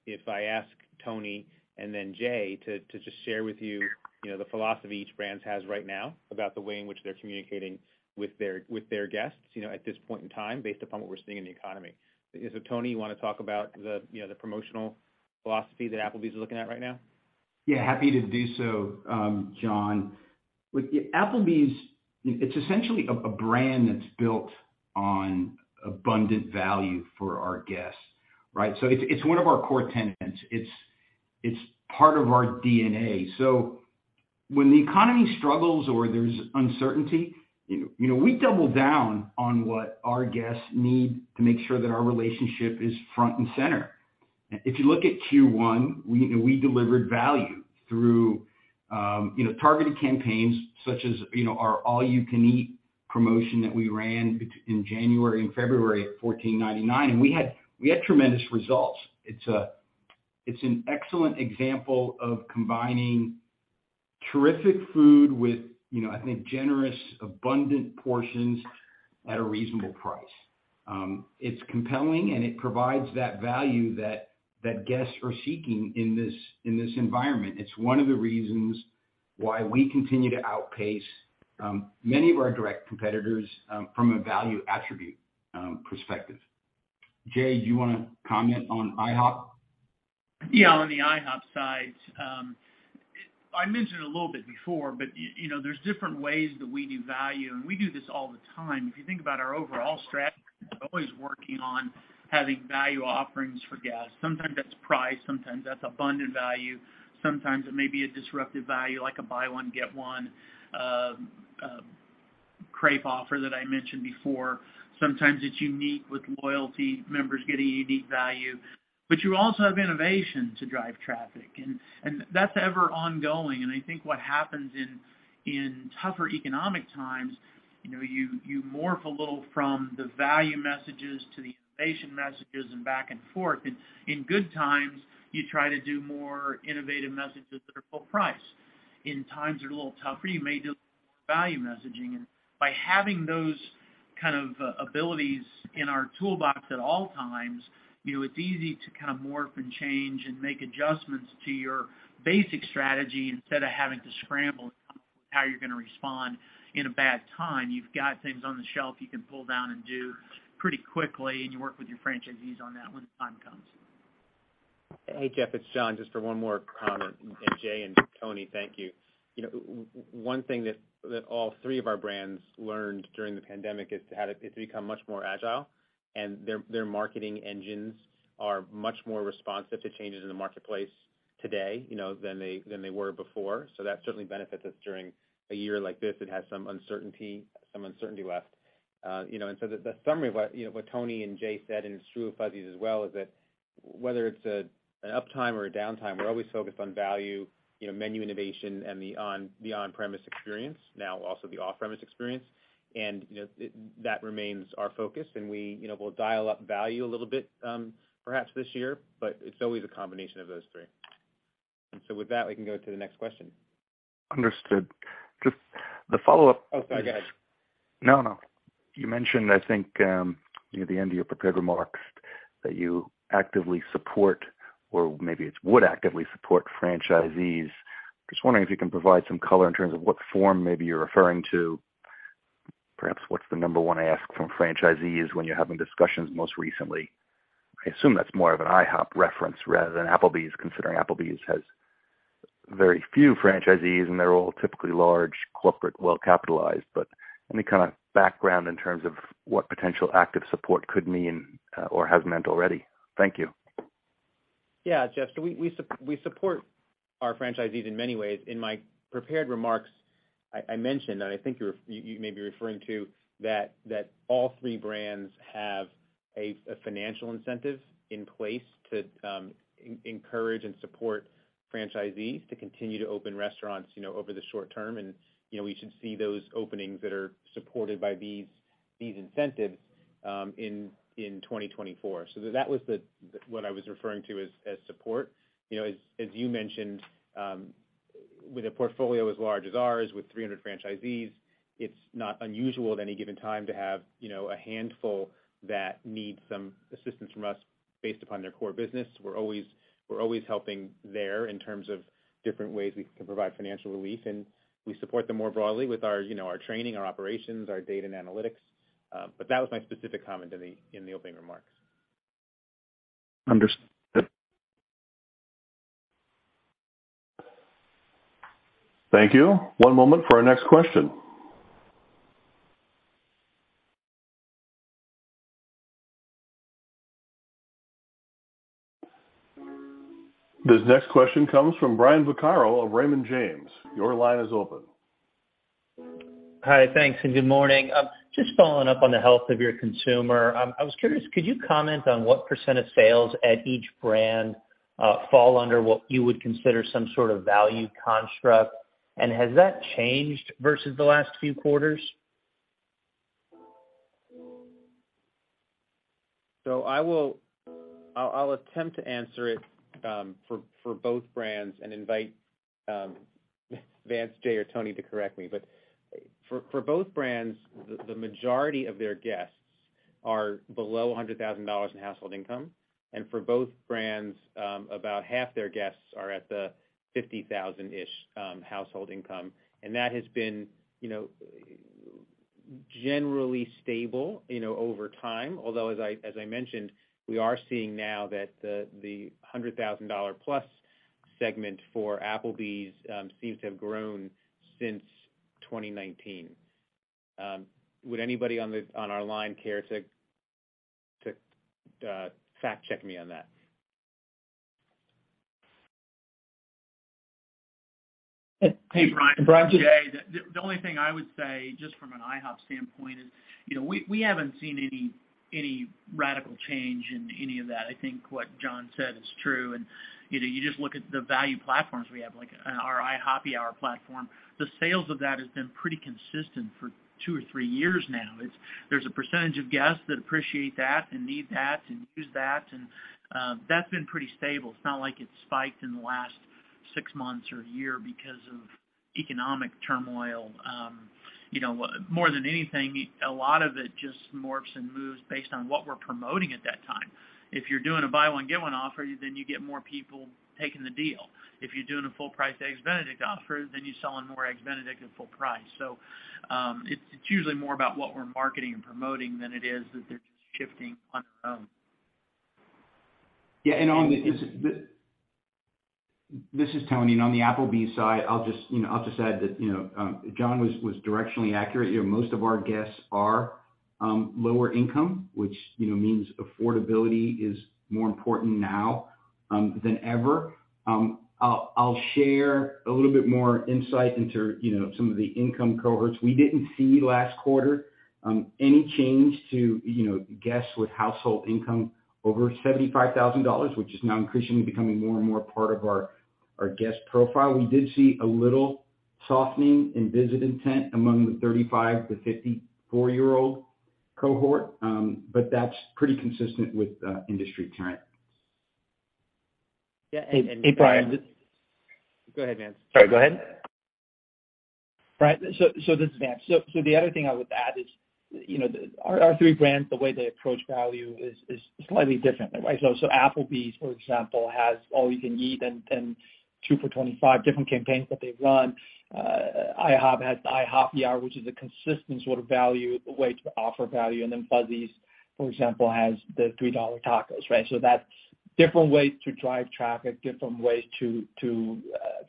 if I ask Tony and then Jay to just share with you know, the philosophy each brand has right now about the way in which they're communicating with their guests, you know, at this point in time, based upon what we're seeing in the economy. Tony, you wanna talk about the, you know, the promotional philosophy that Applebee's is looking at right now? Yeah, happy to do so, John. With Applebee's, it's essentially a brand that's built on abundant value for our guests, right? It's one of our core tenets. It's part of our DNA. When the economy struggles or there's uncertainty, you know, we double down on what our guests need to make sure that our relationship is front and center. If you look at Q1, we delivered value through, you know, targeted campaigns such as, you know, our All You Can Eat promotion that we ran in January and February at $14.99, we had tremendous results. It's an excellent example of combining terrific food with, you know, I think generous, abundant portions at a reasonable price. It's compelling, and it provides that value that guests are seeking in this environment. It's one of the reasons why we continue to outpace, many of our direct competitors, from a value attribute, perspective. Jay, do you wanna comment on IHOP? On the IHOP side, I mentioned a little bit before, you know, there's different ways that we do value, and we do this all the time. If you think about our overall strategy, we're always working on having value offerings for guests. Sometimes that's price, sometimes that's abundant value. Sometimes it may be a disruptive value, like a buy one, get one crepe offer that I mentioned before. Sometimes it's unique with loyalty members getting a unique value. You also have innovation to drive traffic, and that's ever ongoing. I think what happens in tougher economic times, you know, you morph a little from the value messages to the innovation messages and back and forth. In good times, you try to do more innovative messages that are full price. In times that are a little tougher, you may do value messaging. By having those kind of abilities in our toolbox at all times, you know, it's easy to kind of morph and change and make adjustments to your basic strategy instead of having to scramble how you're gonna respond in a bad time. You've got things on the shelf you can pull down and do pretty quickly, and you work with your franchisees on that when the time comes. Hey, Jeffrey Bernstein, it's John Peyton, just for one more comment. Jay Johns and Tony Moralejo, thank you. You know, one thing that all three of our brands learned during the pandemic is to become much more agile, and their marketing engines are much more responsive to changes in the marketplace today, you know, than they, than they were before. That certainly benefits us during a year like this that has some uncertainty, some uncertainty left. You know, the summary of what, you know, what Tony Moralejo and Jay Johns said, and it's true of Fuzzy's as well, is that whether it's an uptime or a downtime, we're always focused on value, you know, menu innovation and the on-premise experience, now also the off-premise experience. You know, that remains our focus, and we, you know, will dial up value a little bit, perhaps this year, but it's always a combination of those three. With that, we can go to the next question. Understood. Just the follow-up. Oh, sorry. Go ahead. No, no. You mentioned, I think, near the end of your prepared remarks that you actively support or maybe it's would actively support franchisees. Just wondering if you can provide some color in terms of what form maybe you're referring to. Perhaps what's the number one ask from franchisees when you're having discussions most recently? I assume that's more of an IHOP reference rather than Applebee's, considering Applebee's has very few franchisees, and they're all typically large corporate, well capitalized. Any kind of background in terms of what potential active support could mean, or has meant already? Thank you. Yeah, Jeff, we support our franchisees in many ways. In my prepared remarks, I mentioned, I think you may be referring to that, all three brands have a financial incentive in place to encourage and support franchisees to continue to open restaurants, you know, over the short term. You know, we should see those openings that are supported by these incentives in 2024. That was the, what I was referring to as support. You know, as you mentioned, with a portfolio as large as ours, with 300 franchisees, it's not unusual at any given time to have, you know, a handful that need some assistance from us based upon their core business. We're always helping there in terms of different ways we can provide financial relief. We support them more broadly with our, you know, our training, our operations, our data and analytics. That was my specific comment in the opening remarks. Understood. Thank you. One moment for our next question. This next question comes from Brian Vaccaro of Raymond James. Your line is open. Hi. Thanks, and good morning. Just following up on the health of your consumer, I was curious, could you comment on what % of sales at each brand fall under what you would consider some sort of value construct? Has that changed versus the last few quarters? I will attempt to answer it for both brands and invite Vance, Jay, or Tony to correct me. For both brands, the majority of their guests are below $100,000 in household income. For both brands, about half their guests are at the $50,000-ish household income. That has been, you know, generally stable, you know, over time. Although, as I mentioned, we are seeing now that the $100,000 plus segment for Applebee's seems to have grown since 2019. Would anybody on our line care to fact check me on that? Hey, Brian. It's Jay. The only thing I would say, just from an IHOP standpoint is, you know, we haven't seen any radical change in any of that. I think what John said is true. You know, you just look at the value platforms we have, like, our IHOPPY Hour platform. The sales of that has been pretty consistent for two or three years now. There's a percentage of guests that appreciate that and need that and use that, and, that's been pretty stable. It's not like it's spiked in the last six months or year because of economic turmoil. You know, more than anything, a lot of it just morphs and moves based on what we're promoting at that time. If you're doing a buy one get one offer, you get more people taking the deal. If you're doing a full price Eggs Benedict offer, then you're selling more Eggs Benedict at full price. It's usually more about what we're marketing and promoting than it is that they're just shifting on their own. Yeah, This is Tony. On the Applebee's side, I'll just, you know, add that, you know, John was directionally accurate. You know, most of our guests are lower income, which, you know, means affordability is more important now than ever. I'll share a little bit more insight into, you know, some of the income cohorts. We didn't see last quarter any change to, you know, guests with household income over $75,000, which is now increasingly becoming more and more part of our guest profile. We did see a little softening in visit intent among the 35- to 54-year-old cohort, but that's pretty consistent with industry trends. Hey, Brian. Go ahead, Vance. Sorry, go ahead. Brian, this is Vance. The other thing I would add is, you know, our three brands, the way they approach value is slightly different, right? Applebee's, for example, has All You Can Eat and two for $25, different campaigns that they run. IHOP has IHOPPY Hour, which is a consistent sort of value, way to offer value. Then Fuzzy's, for example, has the $3 tacos, right? That's different ways to drive traffic, different ways to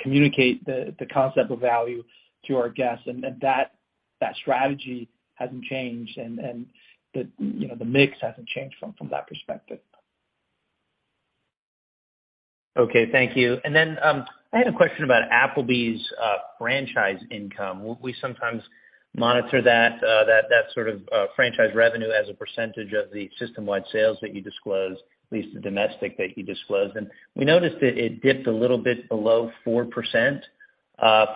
communicate the concept of value to our guests. That strategy hasn't changed, and the, you know, the mix hasn't changed from that perspective. Okay. Thank you. I had a question about Applebee's franchise income. We sometimes monitor that sort of franchise revenue as a % of the system-wide sales that you disclose, at least the domestic that you disclose. We noticed that it dipped a little bit below 4%, for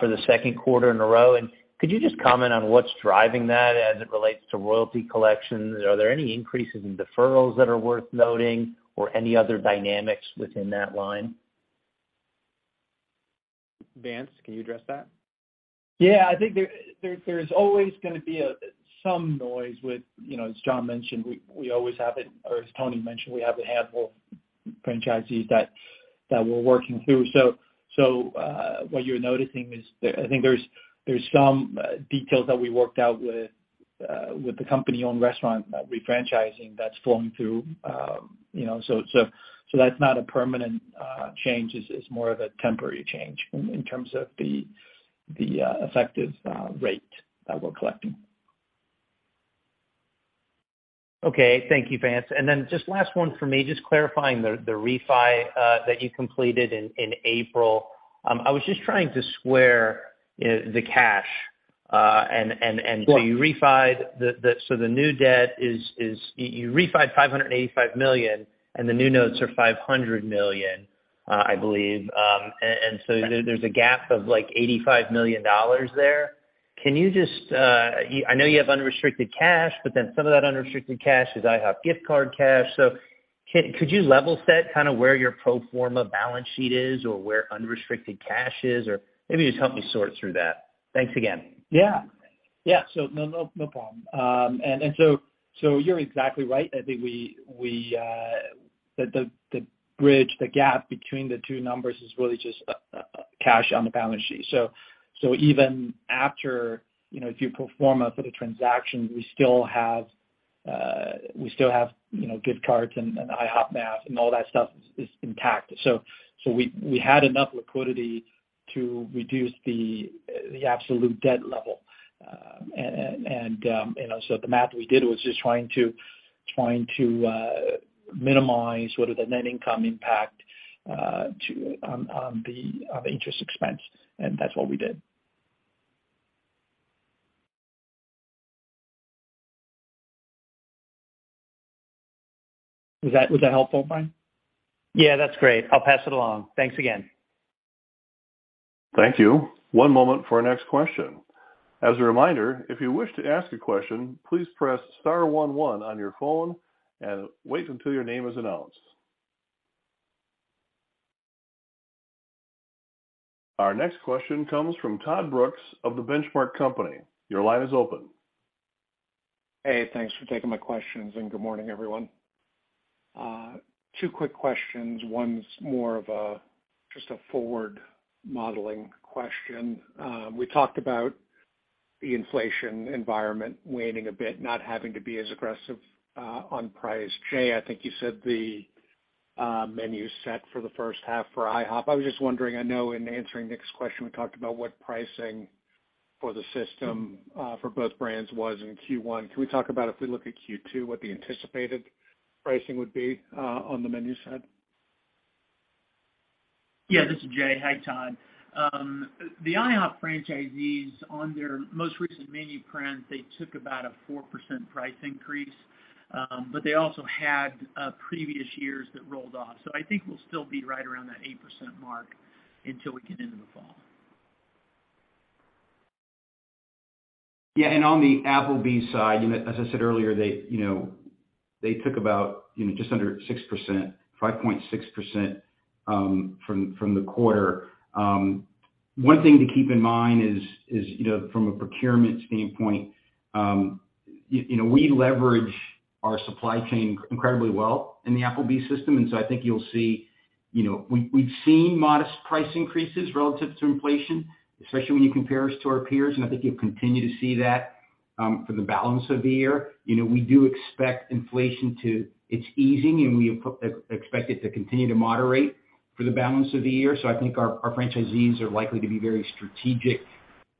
the Q2 in a row. Could you just comment on what's driving that as it relates to royalty collections? Are there any increases in deferrals that are worth noting or any other dynamics within that line? Vance, can you address that? Yeah. I think there's always gonna be some noise with, you know, as John mentioned, we always have it, or as Tony mentioned, we have a handful franchisees that we're working through. What you're noticing is I think there's some details that we worked out with the company-owned restaurant refranchising that's flowing through, you know. That's not a permanent change. It's more of a temporary change in terms of the effective rate that we're collecting. Okay. Thank you, Vance. Just last one from me, just clarifying the refi that you completed in April. I was just trying to square, you know, the cash and. You refied the so the new debt is you refied $585 million, and the new notes are $500 million, I believe. There's a gap of, like, $85 million there. Can you just, I know you have unrestricted cash, but then some of that unrestricted cash is IHOP gift card cash. Could you level set kind of where your pro forma balance sheet is or where unrestricted cash is or maybe just help me sort through that. Thanks again. Yeah. No problem. You're exactly right. I think we, the bridge, the gap between the two numbers is really just cash on the balance sheet. Even after, you know, if you pro forma for the transactions, we still have, we still have, you know, gift cards and IHOP math, and all that stuff is intact. We had enough liquidity to reduce the absolute debt level. You know, the math we did was just trying to minimize what are the net income impact to the interest expense, and that's what we did. Was that helpful, Brian? Yeah, that's great. I'll pass it along. Thanks again. Thank you. One moment for our next question. As a reminder, if you wish to ask a question, please press star one one on your phone and wait until your name is announced. Our next question comes from Todd Brooks of The Benchmark Company. Your line is open. Hey, thanks for taking my questions, and good morning, everyone. Two quick questions. One's more of a, just a forward modeling question. We talked about the inflation environment waning a bit, not having to be as aggressive on price. Jay, I think you said the menu set for the first half for IHOP. I was just wondering, I know in answering Nick's question, we talked about what pricing for the system for both brands was in Q1. Can we talk about if we look at Q2, what the anticipated pricing would be on the menu side? This is Jay. Hi, Todd. The IHOP franchisees on their most recent menu print, they took about a 4% price increase, but they also had previous years that rolled off. I think we'll still be right around that 8% mark until we get into the fall. Yeah, on the Applebee's side, you know, as I said earlier, they, you know, took about, you know, just under 6%, 5.6% from the quarter. One thing to keep in mind is, you know, from a procurement standpoint, you know, we leverage our supply chain incredibly well in the Applebee's system, I think you'll see, you know, we've seen modest price increases relative to inflation, especially when you compare us to our peers, I think you'll continue to see that for the balance of the year. You know, we do expect inflation to ease, we expect it to continue to moderate for the balance of the year. I think our franchisees are likely to be very strategic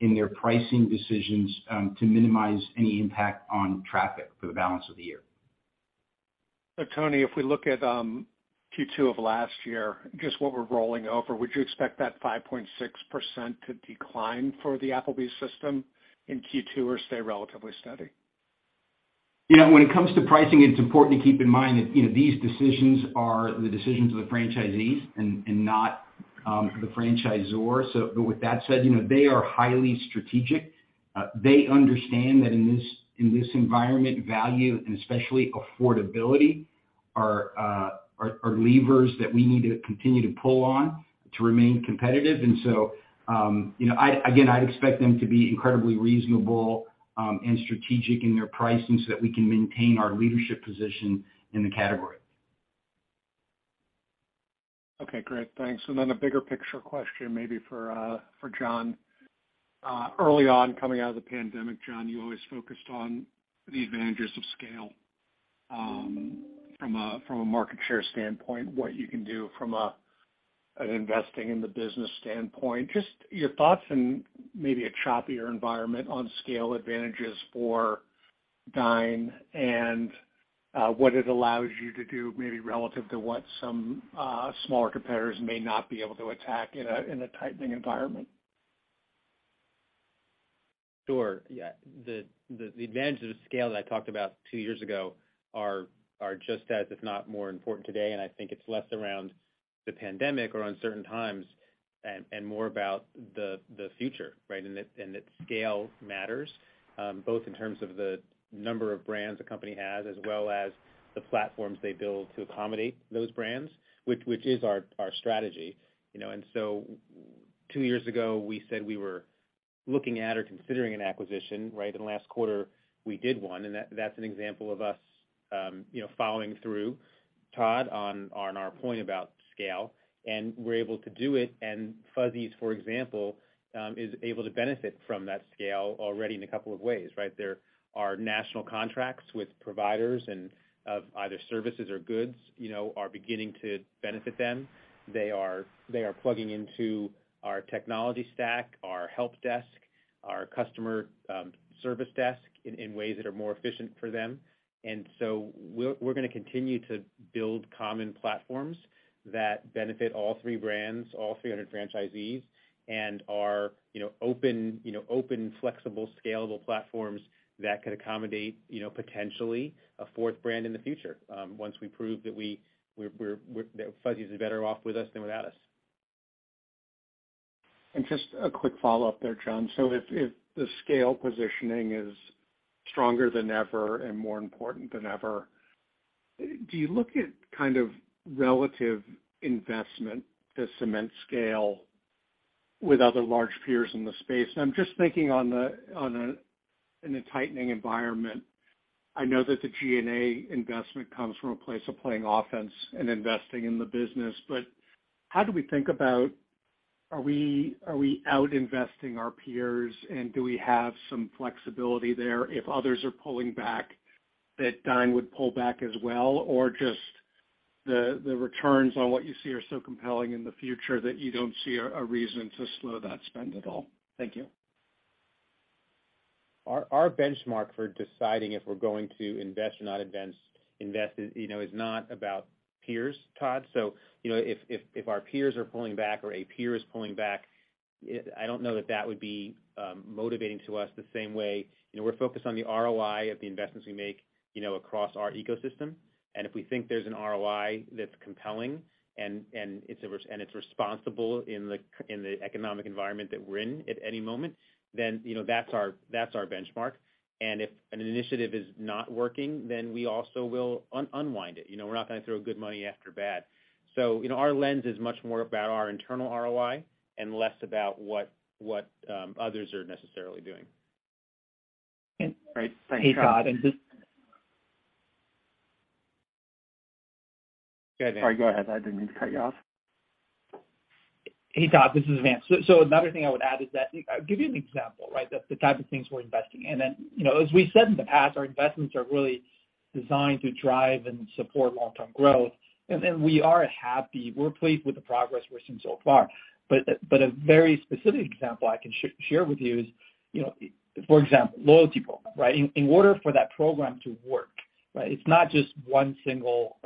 in their pricing decisions, to minimize any impact on traffic for the balance of the year. Tony, if we look at, Q2 of last year, just what we're rolling over, would you expect that 5.6% to decline for the Applebee's system in Q2 or stay relatively steady? When it comes to pricing, it's important to keep in mind that, you know, these decisions are the decisions of the franchisees and not the franchisor. With that said, you know, they are highly strategic. They understand that in this environment, value and especially affordability are levers that we need to continue to pull on to remain competitive. You know, again, I'd expect them to be incredibly reasonable and strategic in their pricing so that we can maintain our leadership position in the category. Okay. Great. Thanks. Then a bigger picture question maybe for John. Early on coming out of the pandemic, John, you always focused on the advantages of scale, from a, from a market share standpoint, what you can do from a, an investing in the business standpoint. Just your thoughts in maybe a choppier environment on scale advantages for Dine and what it allows you to do maybe relative to what some smaller competitors may not be able to attack in a, in a tightening environment? Sure. Yeah. The advantage of the scale that I talked about two years ago are just as, if not more important today, and I think it's less around the pandemic or uncertain times and more about the future, right? That scale matters both in terms of the number of brands a company has, as well as the platforms they build to accommodate those brands, which is our strategy. You know, two years ago we said we were looking at or considering an acquisition, right? In the last quarter we did one, and that's an example of us, you know, following through, Todd, on our point about scale. We're able to do it and Fuzzy's, for example, is able to benefit from that scale already in a couple of ways, right? There are national contracts with providers and of either services or goods, you know, are beginning to benefit them. They are plugging into our technology stack, our help desk, our customer service desk in ways that are more efficient for them. We're gonna continue to build common platforms that benefit all three brands, all 300 franchisees and are, you know, open, you know, open, flexible, scalable platforms that could accommodate, you know, potentially a fourth brand in the future, once we prove that we're that Fuzzy's is better off with us than without us. Just a quick follow-up there, John. If the scale positioning is stronger than ever and more important than ever, do you look at kind of relative investment to cement scale with other large peers in the space? I'm just thinking in a tightening environment. I know that the G&A investment comes from a place of playing offense and investing in the business, but how do we think about are we outinvesting our peers and do we have some flexibility there if others are pulling back that Dine would pull back as well? Just the returns on what you see are so compelling in the future that you don't see a reason to slow that spend at all? Thank you. Our benchmark for deciding if we're going to invest or not invest, you know, is not about peers, Todd. You know, if our peers are pulling back or a peer is pulling back, I don't know that that would be motivating to us the same way. You know, we're focused on the ROI of the investments we make, you know, across our ecosystem. If we think there's an ROI that's compelling and it's responsible in the economic environment that we're in at any moment, you know, that's our benchmark. If an initiative is not working, then we also will unwind it. You know, we're not gonna throw good money after bad. You know, our lens is much more about our internal ROI and less about what others are necessarily doing. Great. Thanks, John. Hey, Todd. Go ahead, Vance. Sorry, go ahead. I didn't mean to cut you off. Hey, Todd, this is Vance. Another thing I would add is that I'll give you an example, right? The type of things we're investing in and, you know, as we said in the past, our investments are really designed to drive and support long-term growth. We are happy, we're pleased with the progress we're seeing so far. A very specific example I can share with you is, you know, for example, loyalty program, right? In order for that program to work, right, it's not just one single,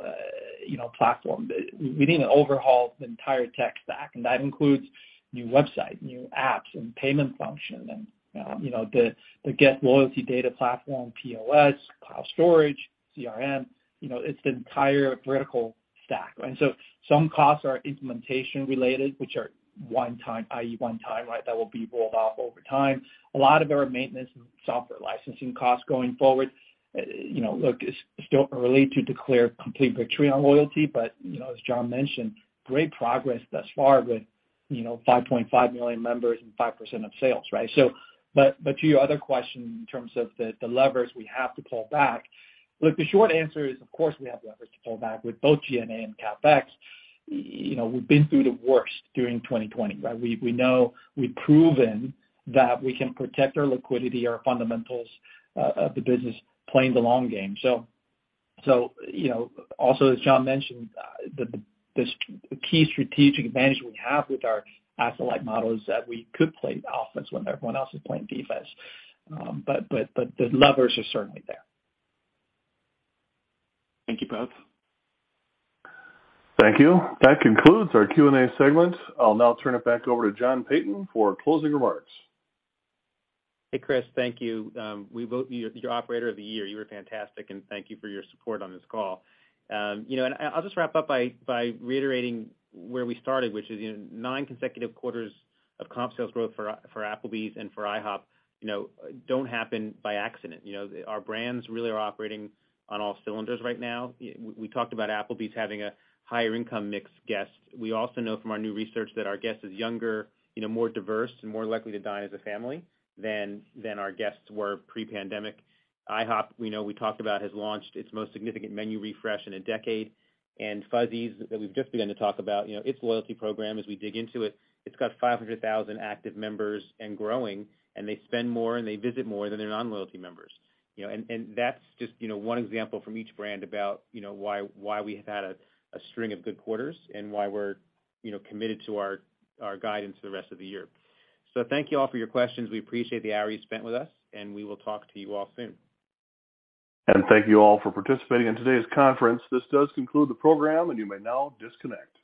you know, platform. We need to overhaul the entire tech stack, and that includes new website, new apps and payment function and, you know, the guest loyalty data platform, POS, cloud storage, CRM, you know, it's the entire vertical stack. Some costs are implementation related, which are one time, i.e., one time, right, that will be rolled off over time. A lot of our maintenance and software licensing costs going forward, you know, look, it's still early to declare complete victory on loyalty, but you know, as John mentioned, great progress thus far with, you know, 5.5 million members and 5% of sales, right? But to your other question in terms of the levers we have to pull back. Look, the short answer is, of course, we have levers to pull back with both G&A and CapEx. You know, we've been through the worst during 2020. We know we've proven that we can protect our liquidity, our fundamentals of the business playing the long game. You know, also as John mentioned, the key strategic advantage we have with our asset-light model is that we could play offense when everyone else is playing defense. The levers are certainly there. Thank you both. Thank you. That concludes our Q&A segment. I'll now turn it back over to John Peyton for closing remarks. Hey, Chris. Thank you. We vote you operator of the year. You were fantastic, and thank you for your support on this call. You know, I'll just wrap up by reiterating where we started, which is, you know, nine consecutive quarters of comp sales growth for Applebee's and for IHOP, you know, don't happen by accident. You know, our brands really are operating on all cylinders right now. We talked about Applebee's having a higher income mixed guest. We also know from our new research that our guest is younger, you know, more diverse and more likely to dine as a family than our guests were pre-pandemic. IHOP, we know we talked about, has launched its most significant menu refresh in a decade. Fuzzy's, that we've just begun to talk about, you know, its loyalty program as we dig into it's got 500,000 active members and growing and they spend more and they visit more than their non-loyalty members, you know. That's just, you know, one example from each brand about, you know, why we have had a string of good quarters and why we're, you know, committed to our guidance the rest of the year. Thank you all for your questions. We appreciate the hour you spent with us, and we will talk to you all soon. Thank you all for participating in today's conference. This does conclude the program, and you may now disconnect.